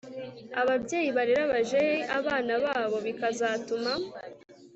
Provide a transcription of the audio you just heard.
ababyeyi barera bajeyi abana babo bikazatuma